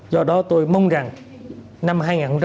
do đó tôi mong rằng năm hai nghìn một mươi chín